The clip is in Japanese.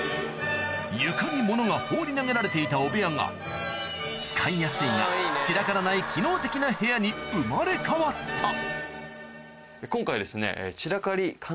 床に物が放り投げられていた汚部屋が使いやすいが散らからない機能的な部屋に生まれ変わった今回は。